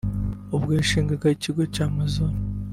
ubwo yashingana ikigo cya Amazon